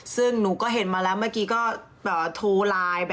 ซึ่งหนูก็เห็นมาแล้วเมื่อกี้ก็โทรไลน์